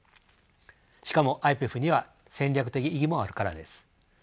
しかもＩＰＥＦには戦略的意義もあるからです。